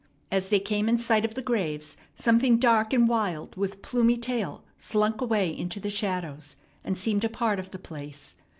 As they came in sight of the graves, something dark and wild with plumy tail slunk away into the shadows, and seemed a part of the place.